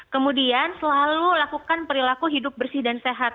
kemudian selalu lakukan perilaku hidup bersih dan sehat